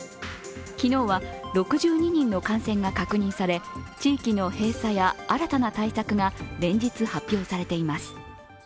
昨日は６２人の感染が確認され地域の閉鎖や新たな対策が連日発表されています。